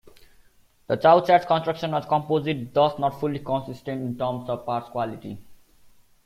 The Chauchat's construction was composite, thus not fully consistent in terms of parts quality.